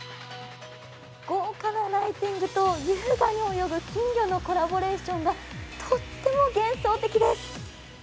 豪華なライティングと優雅に泳ぐ金魚のコラボレーションがとっても幻想的です。